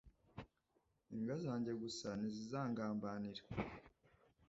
imbwa zanjye gusa ntizizagambanira